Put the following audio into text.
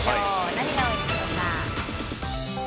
何が多いでしょうか。